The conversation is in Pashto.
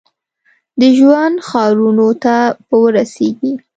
د ژوند ښارونو ته به ورسیږي ؟